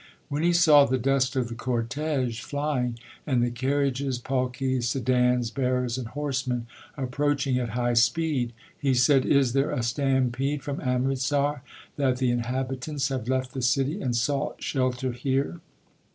When he saw the dust of the cortege flying, and the carriages, palkis, sedans, bearers and horsemen approaching at high speed, he said, Is there a stampede from Amritsar that the inhabitants have left the city and sought shelter here